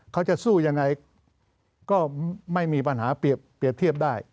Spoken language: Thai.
เขาจะสู้ยังไงก็ไม่มีปัญหาเปรียบเทียบได้